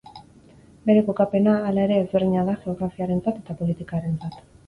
Bere kokapena, hala ere, ezberdina da geografiarentzat eta politikarentzat.